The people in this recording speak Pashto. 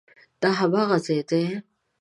دا هماغه ځای دی؟